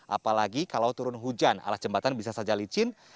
apalagi kalau turun hujan alas jembatan bisa saja licin